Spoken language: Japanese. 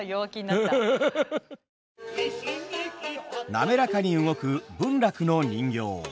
滑らかに動く文楽の人形。